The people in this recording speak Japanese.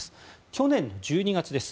去年の１２月です。